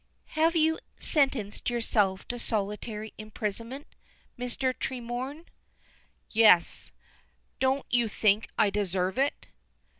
"Have you sentenced yourself to solitary imprisonment, Mr. Tremorne?" "Yes. Don't you think I deserve it?"